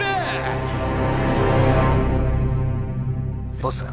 ボス。